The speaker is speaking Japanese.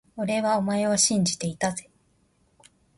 俺はお前を信じていたぜ…